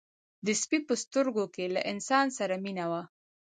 د سپي په سترګو کې له انسان سره مینه وه.